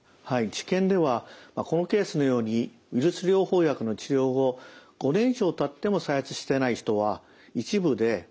治験ではこのケースのようにウイルス療法薬の治療を５年以上たっても再発してない人は一部で１９人中３人でした。